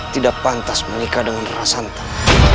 tidak pantas menikah dengan rana santan